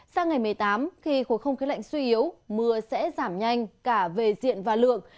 sang ngày một mươi tám khi khối không khí lạnh suy yếu mưa sẽ giảm nhanh cả về diện và lượng